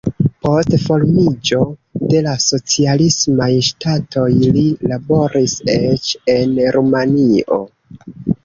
Post formiĝo de la socialismaj ŝtatoj li laboris eĉ en Rumanio.